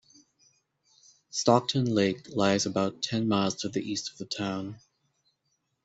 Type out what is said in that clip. Stockton Lake lies about ten miles to the east of the town.